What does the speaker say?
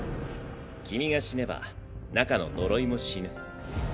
君が死ねば中の呪いも死ぬ。